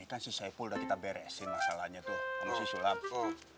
nih kan si saiful udah kita beresin masalahnya tuh sama si sulam